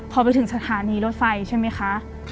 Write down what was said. พอไปถึงสถานีรถไฟใช่ไหมคะ